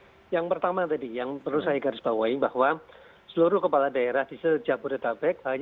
ya yang pertama tadi yang perlu saya garisbawahi bahwa seluruh kepala daerah di sejabur dan tabek